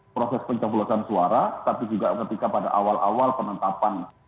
proses pencoblosan suara tapi juga ketika pada awal awal penetapan